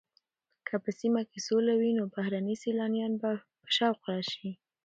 که په سیمه کې سوله وي نو بهرني سېلانیان به په شوق راشي.